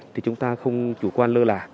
thì chúng ta không chủ quan lơ lả